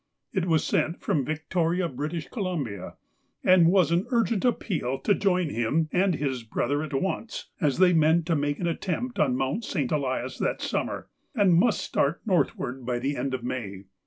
It was sent from Victoria, B.C., and was an urgent appeal to join him and his brother at once, as they meant to make an attempt on Mount St. Elias that summer, and must start northward by the end of May.